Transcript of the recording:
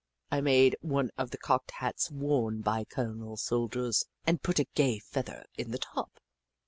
I made one of the cocked hats worn by Colonial soldiers, and put a gay feather in the top.